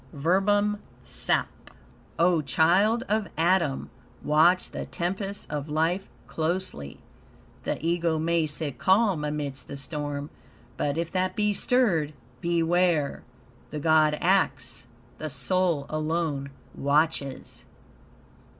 "Verbum sap." O child of Adam! Watch the tempest of life closely. The Ego may sit calm amidst the storm, but, if that be stirred BEWARE! The God acts; the soul alone watches.